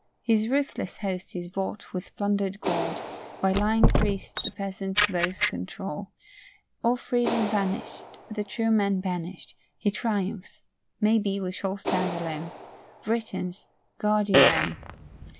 His ruthless host is bought with plunder'd gold, By lying priest's the peasant's votes controlled. All freedom vanish'd, The true men banished, He triumphs; maybe, we shall stand alone. Britons, guard your own.